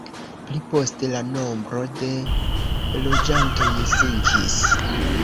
Pli poste la nombro de loĝantoj sinkis.